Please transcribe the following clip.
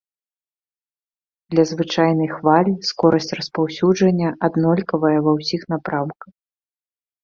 Для звычайнай хвалі скорасць распаўсюджання аднолькавая ва ўсіх напрамках.